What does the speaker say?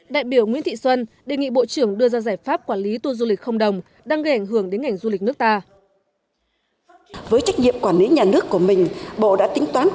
đại biểu nguyễn thị xuân đề nghị bộ trưởng đưa ra giải pháp quản lý tour du lịch không đồng đang gây ảnh hưởng đến ngành du lịch nước ta